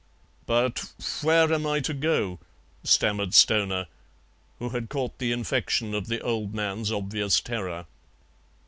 "But where am I to go?" stammered Stoner, who had caught the infection of the old man's obvious terror.